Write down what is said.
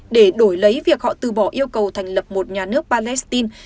để đổi lấy việc họ từ bỏ yêu cầu thành lập một nhà nước palestine